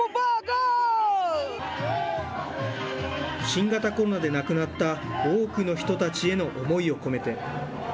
新型コロナで亡くなった多くの人たちへの思いを込めて。